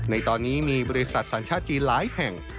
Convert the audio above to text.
ในตอนนี้มีบริษัทสัญชาติจีนหลายแห่ง